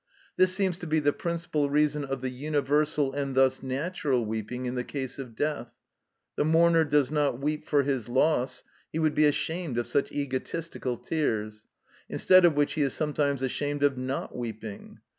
This seems to be the principal reason of the universal, and thus natural, weeping in the case of death. The mourner does not weep for his loss; he would be ashamed of such egotistical tears, instead of which he is sometimes ashamed of not weeping.